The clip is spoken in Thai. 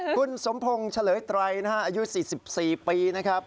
คุณสมพงศ์เฉลยไตรนะฮะอายุ๔๔ปีนะครับ